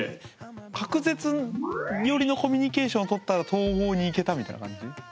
隔絶よりのコミュニケーションを取ったら統合に行けたみたいな感じ？